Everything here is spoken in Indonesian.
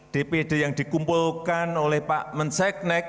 dpd yang dikumpulkan oleh pak menseknek